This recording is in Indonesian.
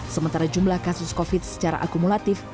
sementara jumlah kasus covid secara akumulatif